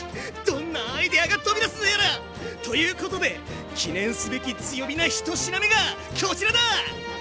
どんなアイデアが飛び出すのやら！ということで記念すべき強火な１品目がこちらだ！